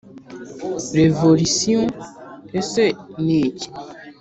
revolisiyo ese ni iki?